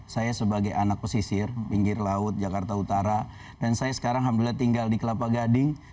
saya sebagai anak pesisir pinggir laut jakarta utara dan saya sekarang alhamdulillah tinggal di kelapa gading